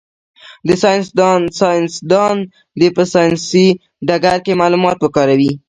ساینس دان دي په ساینسي ډګر کي معلومات وکاروي.